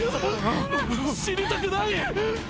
・・死にたくない！